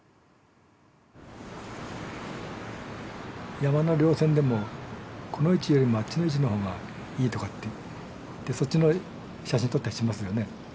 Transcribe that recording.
山の稜線でもこの位置よりもあっちの位置の方がいいとかってそっちの写真撮ったりしますよね。